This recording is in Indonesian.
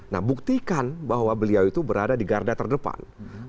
nah buktikan bahwa beliau itu berada di garda terdepan